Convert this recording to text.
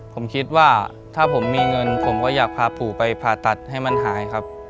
ผมคิดว่าถ้าผมมีเงินผมก็อยากพาปู่ไปผ่าตัดให้มันหายครับ